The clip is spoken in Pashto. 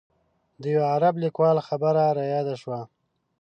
د یوه عرب لیکوال خبره رایاده شوه.